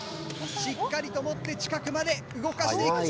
しっかりと持って近くまで動かしていく。